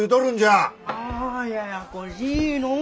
あややこしいのう。